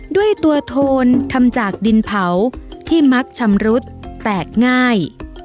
ด้วยตัวโทนทำจากดินเผาที่มักชำรุดแตกง่าย